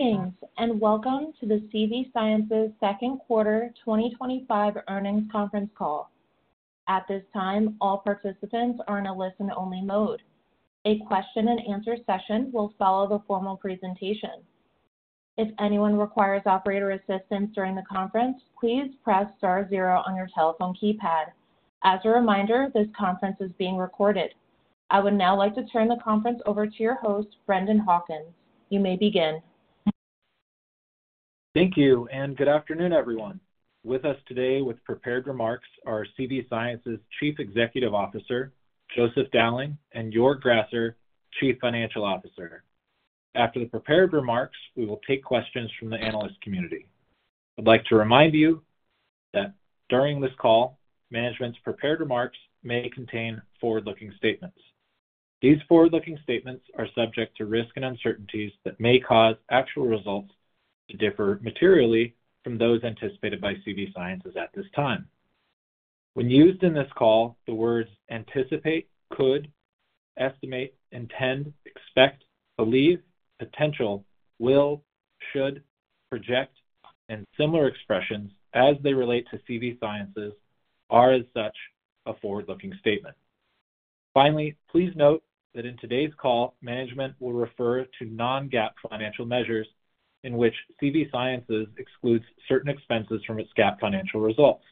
Meetings, and welcome to the CV Sciences second quarter 2025 earnings conference call. At this time, all participants are in a listen-only mode. A question and answer session will follow the formal presentation. If anyone requires operator assistance during the conference, please press star zero on your telephone keypad. As a reminder, this conference is being recorded. I would now like to turn the conference over to your host, Brendan Hawkins. You may begin. Thank you, and good afternoon, everyone. With us today with prepared remarks are CV Sciences Chief Executive Officer Joseph Dowling and Joerg Grasser, Chief Financial Officer. After the prepared remarks, we will take questions from the analyst community. I'd like to remind you that during this call, management's prepared remarks may contain forward-looking statements. These forward-looking statements are subject to risk and uncertainties that may cause actual results to differ materially from those anticipated by CV Sciences at this time. When used in this call, the words "anticipate," "could," "estimate," "intend," "expect," "believe," "potential," "will," "should," "project," and similar expressions as they relate to CV Sciences are as such a forward-looking statement. Finally, please note that in today's call, management will refer to non-GAAP financial measures in which CV Sciences excludes certain expenses from its GAAP financial results.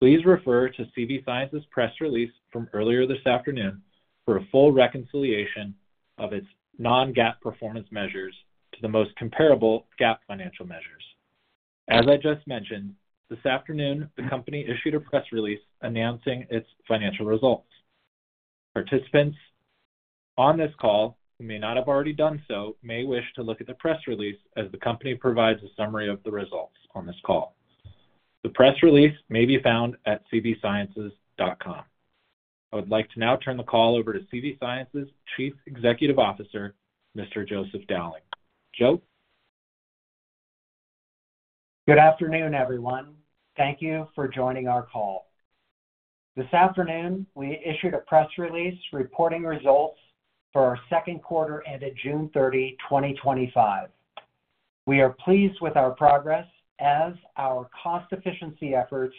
Please refer to CV Sciences' press release from earlier this afternoon for a full reconciliation of its non-GAAP performance measures to the most comparable GAAP financial measures. As I just mentioned, this afternoon, the company issued a press release announcing its financial results. Participants on this call who may not have already done so may wish to look at the press release as the company provides a summary of the results on this call. The press release may be found at cvsciences.com. I would like to now turn the call over to CV Sciences' Chief Executive Officer, Mr. Joseph Dowling. Joe? Good afternoon, everyone. Thank you for joining our call. This afternoon, we issued a press release reporting results for our second quarter ended June 30, 2025. We are pleased with our progress as our cost efficiency efforts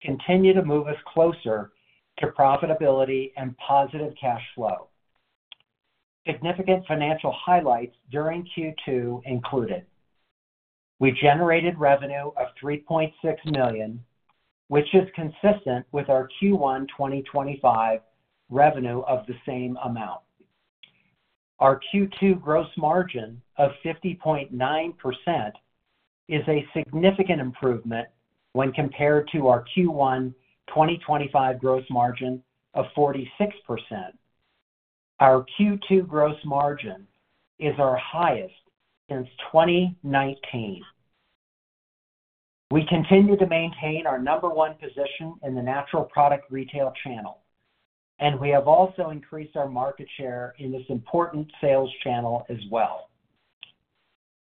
continue to move us closer to profitability and positive cash flow. Significant financial highlights during Q2 included: we generated revenue of $3.6 million, which is consistent with our Q1 2025 revenue of the same amount. Our Q2 gross margin of 50.9% is a significant improvement when compared to our Q1 2025 gross margin of 46%. Our Q2 gross margin is our highest since 2019. We continue to maintain our number one position in the natural product retail channel, and we have also increased our market share in this important sales channel as well.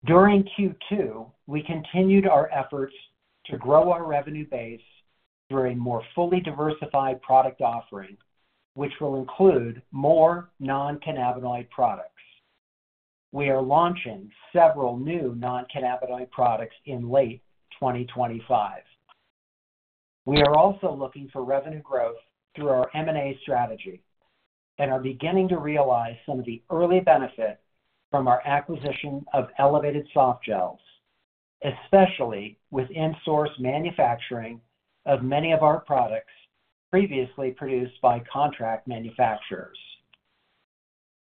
During Q2, we continued our efforts to grow our revenue base through a more fully diversified product offering, which will include more non-cannabinoid products. We are launching several new non-cannabinoid products in late 2025. We are also looking for revenue growth through our M&A strategy and are beginning to realize some of the early benefits from our acquisition of Elevated Softgels, especially with in-source manufacturing of many of our products previously produced by contract manufacturers.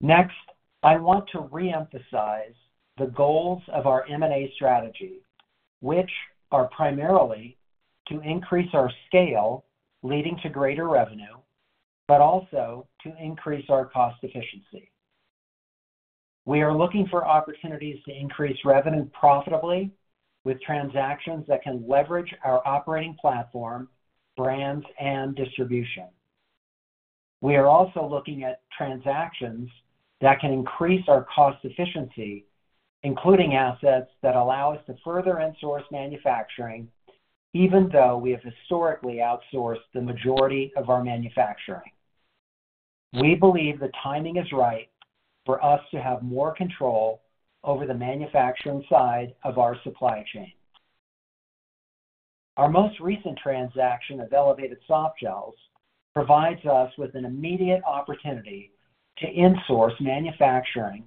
Next, I want to reemphasize the goals of our M&A strategy, which are primarily to increase our scale, leading to greater revenue, but also to increase our cost efficiency. We are looking for opportunities to increase revenue profitably with transactions that can leverage our operating platform, brands, and distribution. We are also looking at transactions that can increase our cost efficiency, including assets that allow us to further in-source manufacturing, even though we have historically outsourced the majority of our manufacturing. We believe the timing is right for us to have more control over the manufacturing side of our supply chain. Our most recent transaction of Elevated Softgels provides us with an immediate opportunity to in-source manufacturing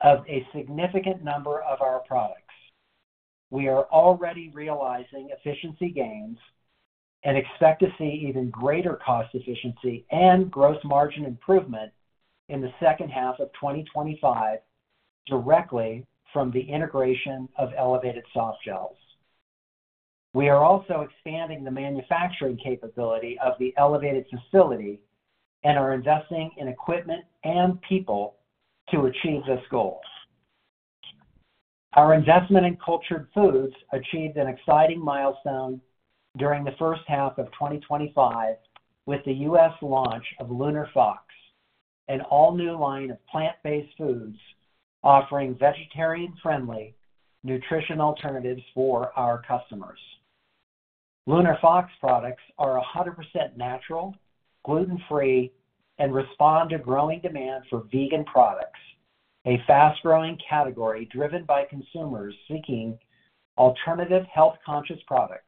of a significant number of our products. We are already realizing efficiency gains and expect to see even greater cost efficiency and gross margin improvement in the second half of 2025 directly from the integration of Elevated Softgels. We are also expanding the manufacturing capability of the Elevated facility and are investing in equipment and people to achieve this goal. Our investment in Cultured Foods achieved an exciting milestone during the first half of 2025 with the U.S. launch of Lunar Fox, an all-new line of plant-based foods offering vegetarian-friendly nutrition alternatives for our customers. Lunar Fox products are 100% natural, gluten-free, and respond to growing demand for vegan products, a fast-growing category driven by consumers seeking alternative health-conscious products.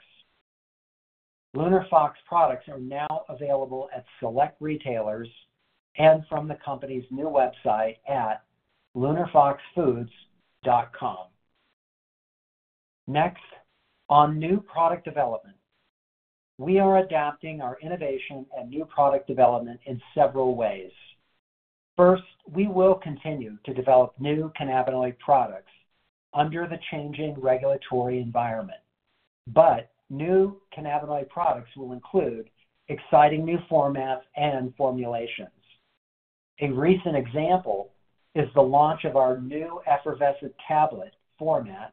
Lunar Fox products are now available at select retailers and from the company's new website at lunarfoxfoods.com. Next, on new product development, we are adapting our innovation and new product development in several ways. First, we will continue to develop new cannabinoid products under the changing regulatory environment, but new cannabinoid products will include exciting new formats and formulations. A recent example is the launch of our new effervescent tablet format,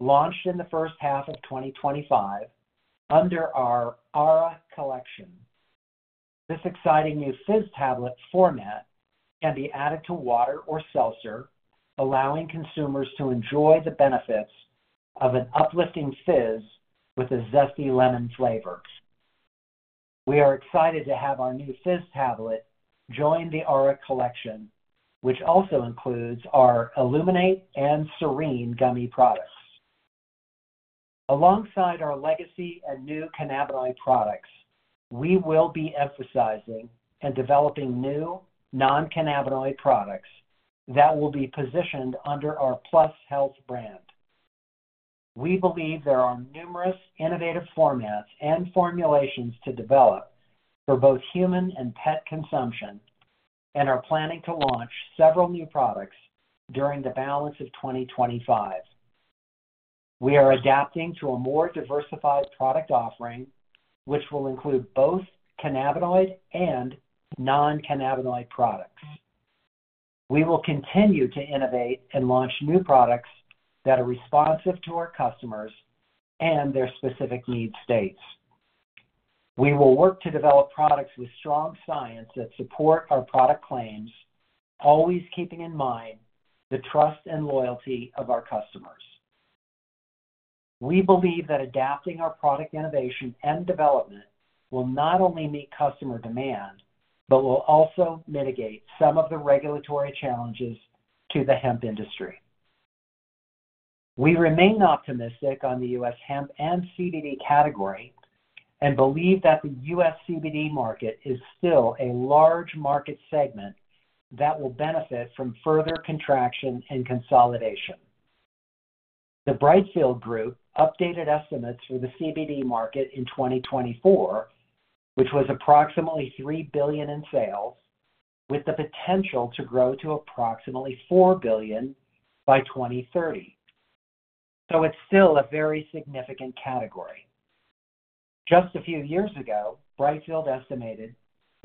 launched in the first half of 2025 under our Aura collection. This exciting new fizz tablet format can be added to water or seltzer, allowing consumers to enjoy the benefits of an uplifting fizz with a zesty lemon flavor. We are excited to have our new fizz tablet join the Aura collection, which also includes our Illuminate and Serene gummy products. Alongside our legacy and new cannabinoid products, we will be emphasizing and developing new non-cannabinoid products that will be positioned under our +PlusHLTH brand. We believe there are numerous innovative formats and formulations to develop for both human and pet consumption and are planning to launch several new products during the balance of 2025. We are adapting to a more diversified product offering, which will include both cannabinoid and non-cannabinoid products. We will continue to innovate and launch new products that are responsive to our customers and their specific needs states. We will work to develop products with strong science that support our product claims, always keeping in mind the trust and loyalty of our customers. We believe that adapting our product innovation and development will not only meet customer demand but will also mitigate some of the regulatory challenges to the hemp industry. We remain optimistic on the U.S. hemp and CBD category and believe that the U.S. CBD market is still a large market segment that will benefit from further contraction and consolidation. The Brightfield Group updated estimates for the CBD market in 2024, which was approximately $3 billion in sales, with the potential to grow to approximately $4 billion by 2030. It is still a very significant category. Just a few years ago, Brightfield estimated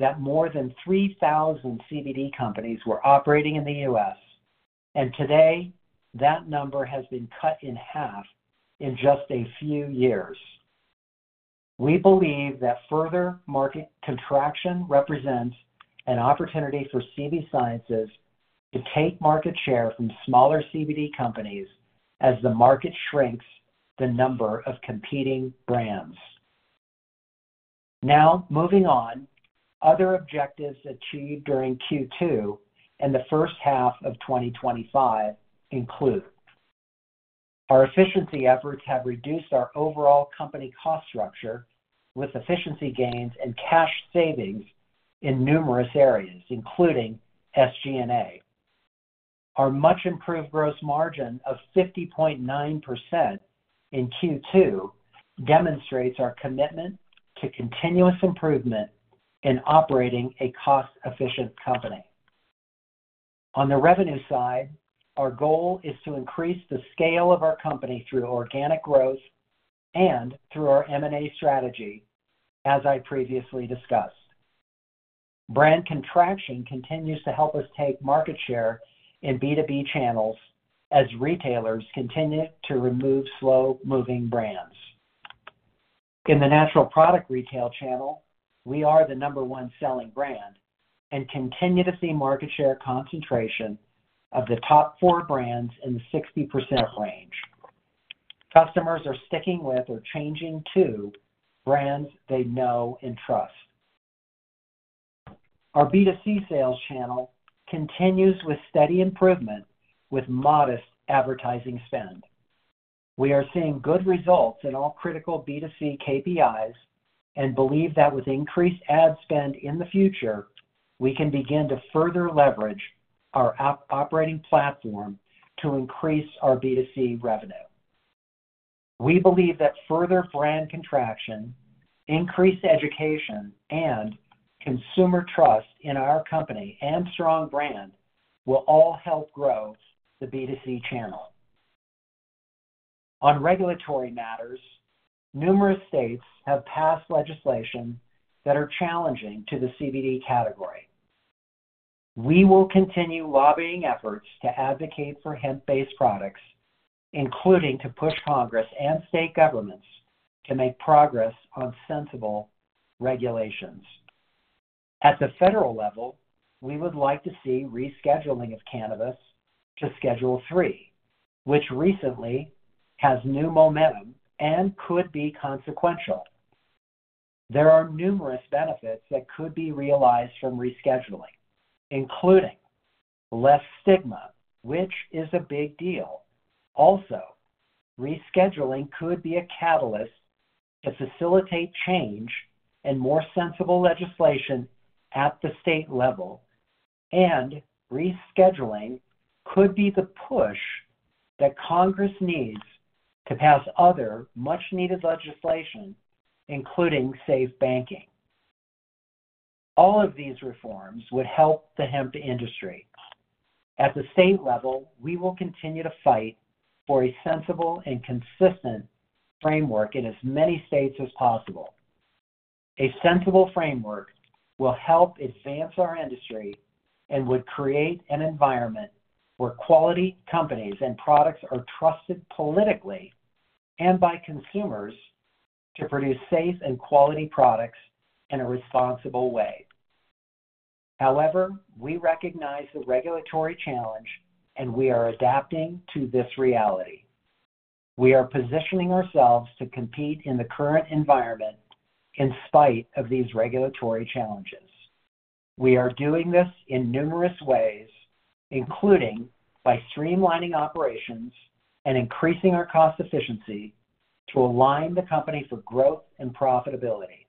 that more than 3,000 CBD companies were operating in the U.S., and today that number has been cut in half in just a few years. We believe that further market contraction represents an opportunity for CV Sciences to take market share from smaller CBD companies as the market shrinks the number of competing brands. Now, moving on, other objectives achieved during Q2 and the first half of 2025 include: our efficiency efforts have reduced our overall company cost structure with efficiency gains and cash savings in numerous areas, including SG&A. Our much-improved gross margin of 50.9% in Q2 demonstrates our commitment to continuous improvement in operating a cost-efficient company. On the revenue side, our goal is to increase the scale of our company through organic growth and through our M&A strategy, as I previously discussed. Brand contraction continues to help us take market share in B2B channels as retailers continue to remove slow-moving brands. In the natural product retail channel, we are the number one selling brand and continue to see market share concentration of the top four brands in the 60% range. Customers are sticking with or changing to brands they know and trust. Our B2C sales channel continues with steady improvement with modest advertising spend. We are seeing good results in all critical B2C KPIs and believe that with increased ad spend in the future, we can begin to further leverage our operating platform to increase our B2C revenue. We believe that further brand contraction, increased education, and consumer trust in our company and strong brand will all help grow the B2C channel. On regulatory matters, numerous states have passed legislation that are challenging to the CBD category. We will continue lobbying efforts to advocate for hemp-based products, including to push Congress and state governments to make progress on sensible regulations. At the federal level, we would like to see rescheduling of cannabis to Schedule III, which recently has new momentum and could be consequential. There are numerous benefits that could be realized from rescheduling, including less stigma, which is a big deal. Also, rescheduling could be a catalyst to facilitate change and more sensible legislation at the state level, and rescheduling could be the push that Congress needs to pass other much-needed legislation, including safe banking. All of these reforms would help the hemp industry. At the state level, we will continue to fight for a sensible and consistent framework in as many states as possible. A sensible framework will help advance our industry and would create an environment where quality companies and products are trusted politically and by consumers to produce safe and quality products in a responsible way. However, we recognize the regulatory challenge, and we are adapting to this reality. We are positioning ourselves to compete in the current environment in spite of these regulatory challenges. We are doing this in numerous ways, including by streamlining operations and increasing our cost efficiency to align the company for growth and profitability.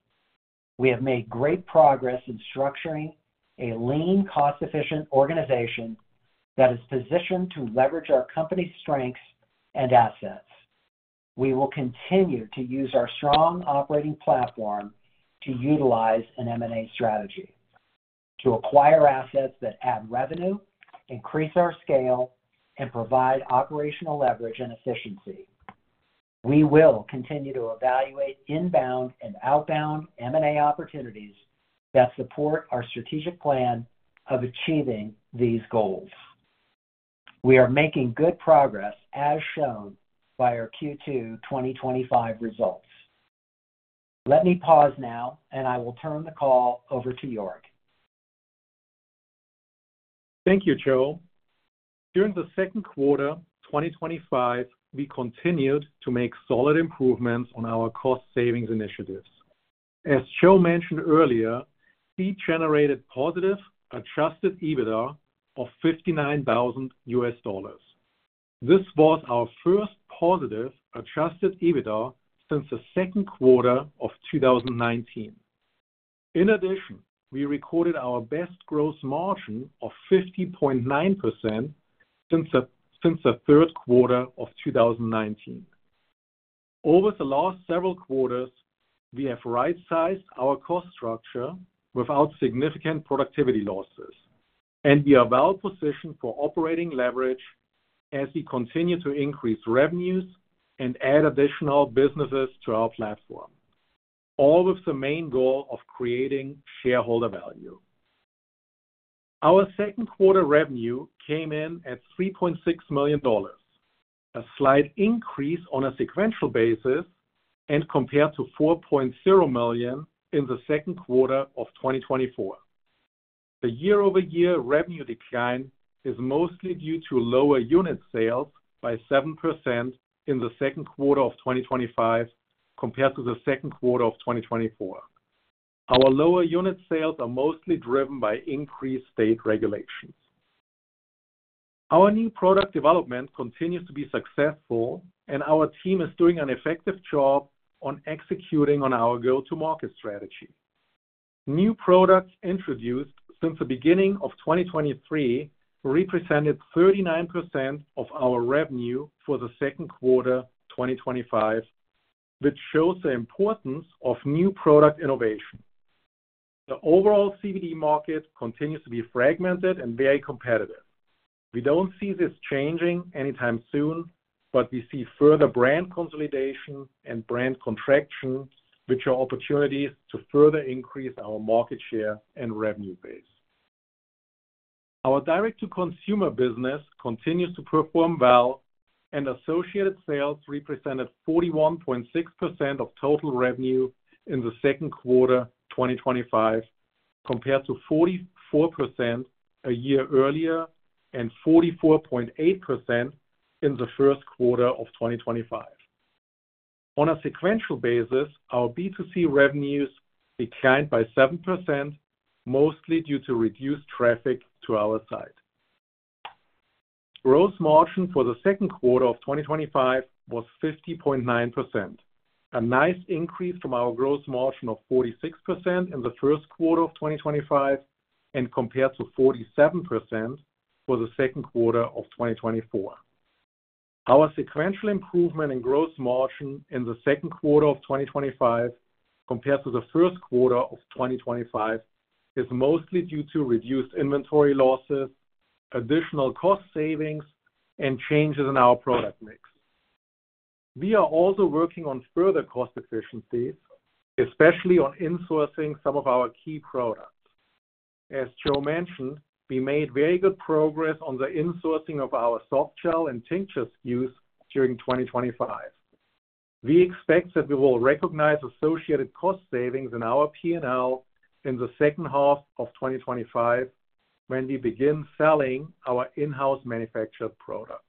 We have made great progress in structuring a lean, cost-efficient organization that is positioned to leverage our company's strengths and assets. We will continue to use our strong operating platform to utilize an M&A strategy to acquire assets that add revenue, increase our scale, and provide operational leverage and efficiency. We will continue to evaluate inbound and outbound M&A opportunities that support our strategic plan of achieving these goals. We are making good progress, as shown by our Q2 2025 results. Let me pause now, and I will turn the call over to Joerg. Thank you, Joerg. During the second quarter 2025, we continued to make solid improvements on our cost-savings initiatives. As Joerg mentioned earlier, we generated positive adjusted EBITDA of $59,000. This was our first positive adjusted EBITDA since the second quarter of 2019. In addition, we recorded our best gross margin of 50.9% since the third quarter of 2019. Over the last several quarters, we have right-sized our cost structure without significant productivity losses, and we are well positioned for operating leverage as we continue to increase revenues and add additional businesses to our platform, all with the main goal of creating shareholder value. Our second quarter revenue came in at $3.6 million, a slight increase on a sequential basis and compared to $4.0 million in the second quarter of 2024. The year-over-year revenue decline is mostly due to lower unit sales by 7% in the second quarter of 2025 compared to the second quarter of 2024. Our lower unit sales are mostly driven by increased state regulations. Our new product development continues to be successful, and our team is doing an effective job on executing on our go-to-market strategy. New products introduced since the beginning of 2023 represented 39% of our revenue for the second quarter 2025, which shows the importance of new product innovation. The overall CBD market continues to be fragmented and very competitive. We don't see this changing anytime soon, but we see further brand consolidation and brand contraction, which are opportunities to further increase our market share and revenue base. Our direct-to-consumer business continues to perform well, and associated sales represented 41.6% of total revenue in the second quarter 2025, compared to 44% a year earlier and 44.8% in the first quarter of 2025. On a sequential basis, our B2C revenues declined by 7%, mostly due to reduced traffic to our site. Gross margin for the second quarter of 2025 was 50.9%, a nice increase from our gross margin of 46% in the first quarter of 2025 and compared to 47% for the second quarter of 2024. Our sequential improvement in gross margin in the second quarter of 2025 compared to the first quarter of 2025 is mostly due to reduced inventory losses, additional cost savings, and changes in our product mix. We are also working on further cost efficiency, especially on insourcing some of our key products. As Joerg mentioned, we made very good progress on the insourcing of our soft gel and tincture SKUs during 2025. We expect that we will recognize associated cost savings in our P&L in the second half of 2025 when we begin selling our in-house manufactured products.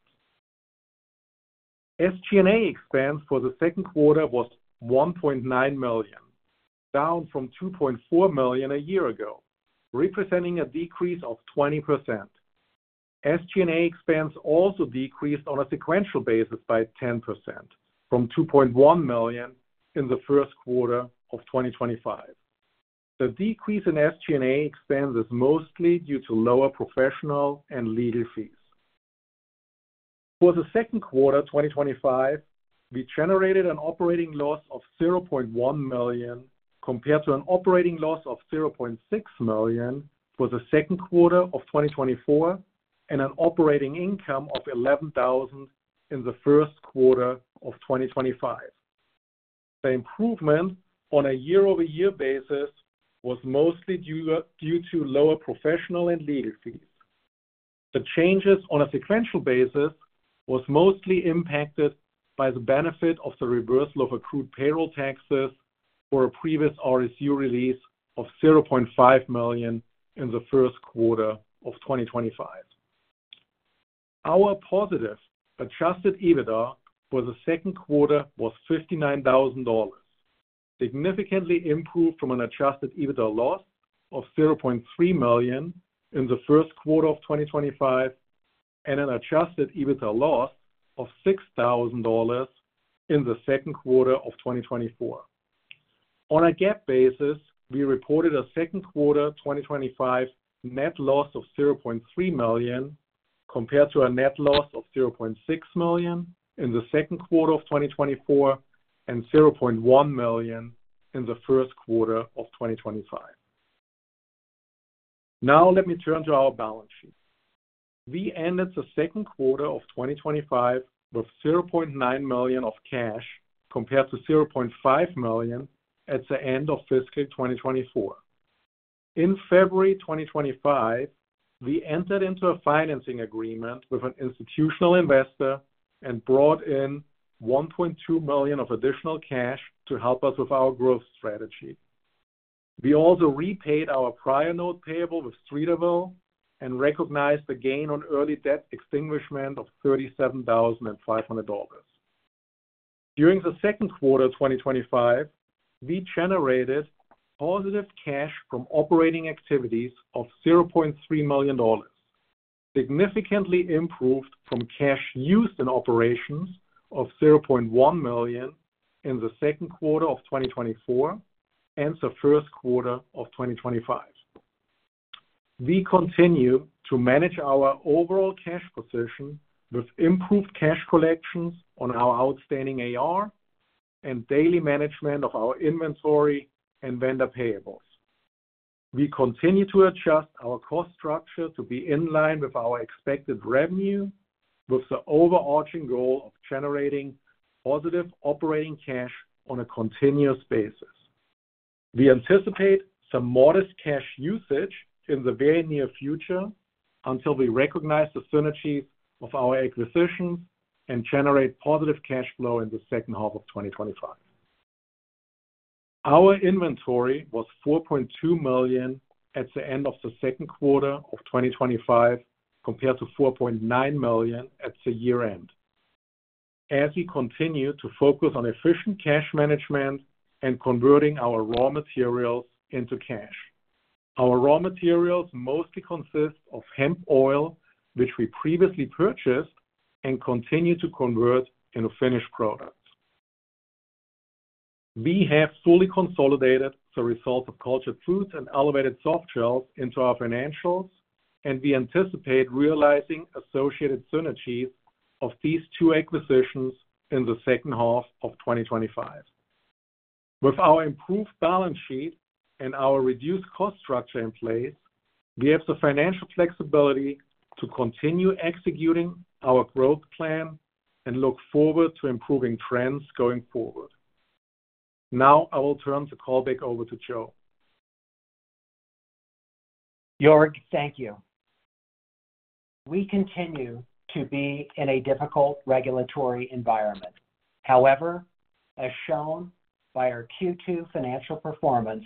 SG&A expense for the second quarter was $1.9 million, down from $2.4 million a year ago, representing a decrease of 20%. SG&A expense also decreased on a sequential basis by 10%, from $2.1 million in the first quarter of 2025. The decrease in SG&A expense is mostly due to lower professional and legal fees. For the second quarter 2025, we generated an operating loss of $0.1 million compared to an operating loss of $0.6 million for the second quarter of 2024 and an operating income of $11,000 in the first quarter of 2025. The improvement on a year-over-year basis was mostly due to lower professional and legal fees. The changes on a sequential basis were mostly impacted by the benefit of the reversal of accrued payroll taxes for a previous RSU release of $0.5 million in the first quarter of 2025. Our positive adjusted EBITDA for the second quarter was $59,000, significantly improved from an adjusted EBITDA loss of $0.3 million in the first quarter of 2025 and an adjusted EBITDA loss of $6,000 in the second quarter of 2024. On a GAAP basis, we reported a second quarter 2025 net loss of $0.3 million compared to a net loss of $0.6 million in the second quarter of 2024 and $0.1 million in the first quarter of 2025. Now, let me turn to our balance sheet. We ended the second quarter of 2025 with $0.9 million of cash compared to $0.5 million at the end of fiscal year 2024. In February 2025, we entered into a financing agreement with an institutional investor and brought in $1.2 million of additional cash to help us with our growth strategy. We also repaid our prior note payable with Streeterville and recognized the gain on early debt extinguishment of $37,500. During the second quarter of 2025, we generated positive cash from operating activities of $0.3 million, significantly improved from cash used in operations of $0.1 million in the second quarter of 2024 and the first quarter of 2025. We continue to manage our overall cash position with improved cash collections on our outstanding AR and daily management of our inventory and vendor payables. We continue to adjust our cost structure to be in line with our expected revenue, with the overarching goal of generating positive operating cash on a continuous basis. We anticipate some modest cash usage in the very near future until we recognize the synergy of our acquisitions and generate positive cash flow in the second half of 2025. Our inventory was $4.2 million at the end of the second quarter of 2025 compared to $4.9 million at the year-end, as we continue to focus on efficient cash management and converting our raw materials into cash. Our raw materials mostly consist of hemp oil, which we previously purchased and continue to convert into finished products. We have fully consolidated the results of Cultured Foods and Elevated Softgels into our financials, and we anticipate realizing associated synergies of these two acquisitions in the second half of 2025. With our improved balance sheet and our reduced cost structure in place, we have the financial flexibility to continue executing our growth plan and look forward to improving trends going forward. Now, I will turn the call back over to Joerg. Joe, thank you. We continue to be in a difficult regulatory environment. However, as shown by our Q2 financial performance,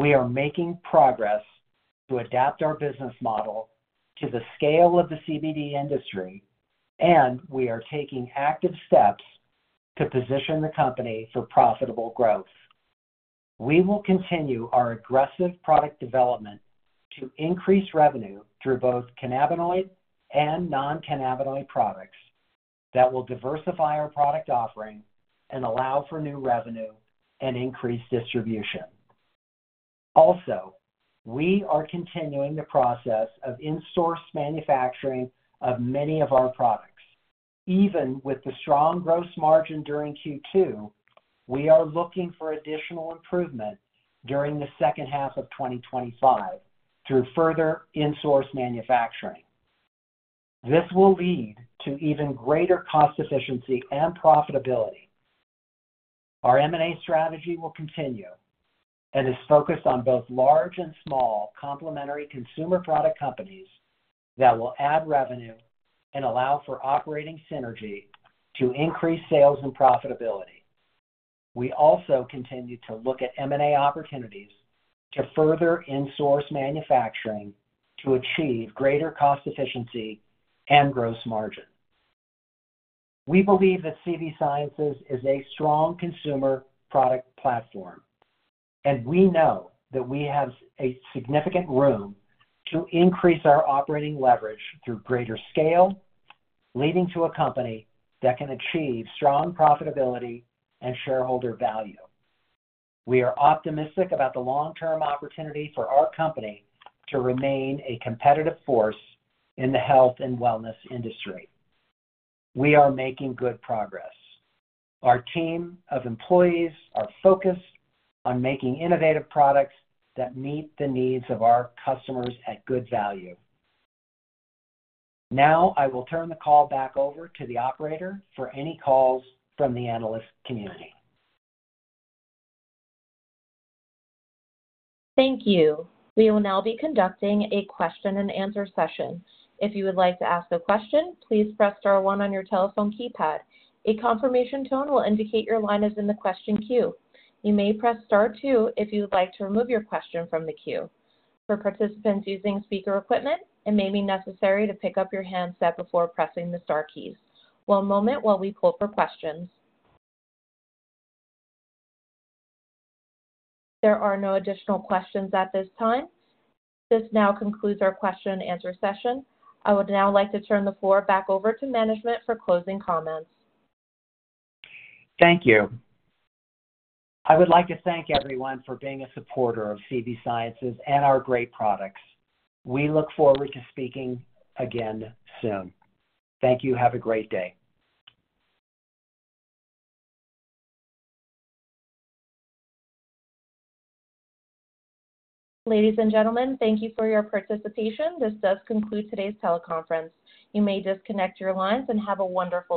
we are making progress to adapt our business model to the scale of the CBD industry, and we are taking active steps to position the company for profitable growth. We will continue our aggressive product development to increase revenue through both cannabinoid and non-cannabinoid products that will diversify our product offering and allow for new revenue and increased distribution. Also, we are continuing the process of in-source manufacturing of many of our products. Even with the strong gross margin during Q2, we are looking for additional improvement during the second half of 2025 through further in-source manufacturing. This will lead to even greater cost efficiency and profitability. Our M&A strategy will continue and is focused on both large and small complementary consumer product companies that will add revenue and allow for operating synergy to increase sales and profitability. We also continue to look at M&A opportunities to further in-source manufacturing to achieve greater cost efficiency and gross margin. We believe that CV Sciences is a strong consumer product platform, and we know that we have significant room to increase our operating leverage through greater scale, leading to a company that can achieve strong profitability and shareholder value. We are optimistic about the long-term opportunity for our company to remain a competitive force in the health and wellness industry. We are making good progress. Our team of employees are focused on making innovative products that meet the needs of our customers at good value. Now, I will turn the call back over to the operator for any calls from the analyst community. Thank you. We will now be conducting a question and answer session. If you would like to ask a question, please press star one on your telephone keypad. A confirmation tone will indicate your line is in the question queue. You may press star two if you would like to remove your question from the queue. For participants using speaker equipment, it may be necessary to pick up your handset before pressing the star keys. One moment while we pull for questions. There are no additional questions at this time. This now concludes our question and answer session. I would now like to turn the floor back over to management for closing comments. Thank you. I would like to thank everyone for being a supporter of CV Sciences and our great products. We look forward to speaking again soon. Thank you. Have a great day. Ladies and gentlemen, thank you for your participation. This does conclude today's teleconference. You may disconnect your lines and have a wonderful day.